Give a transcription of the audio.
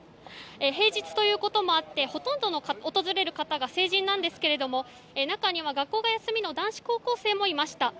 平日ということもあってほとんどの訪れる方が成人なんですけど中には学校が休みの男子高校生もいました。